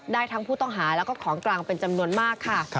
ได้ทั้งผู้ต้องหาแล้วก็ของกลางเป็นจำนวนมากค่ะ